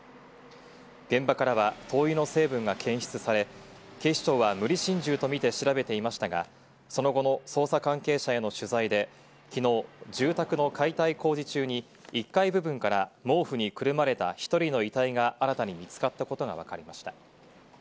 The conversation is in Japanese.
現場からは灯油の成分が検出され、警視庁は無理心中とみて調べていましたが、その後の捜査関係者への取材で昨日、住宅の解体工事中に１階部分から毛布にくるまれた１人の遺体が新たに見つかったことがわかりました。